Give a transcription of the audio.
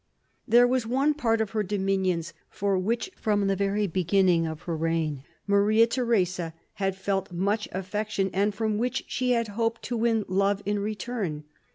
There was one part of her dominions for which, from the very beginning of her reign, Maria Theresa had felt much affection and from which she had hoped to win love in return.